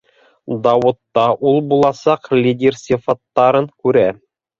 Дауытта ул буласаҡ лидер сифаттарын күрә.